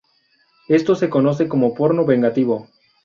Esto se conoce como porno vengativo.